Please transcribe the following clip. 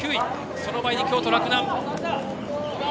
その前に京都の洛南。